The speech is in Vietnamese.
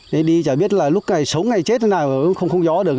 để đi chả biết là lúc này sống ngày chết thế nào mà cũng không gió được